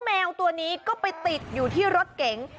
แมวตัวนี้ก็ไปติดอยู่ที่รถเก๋ง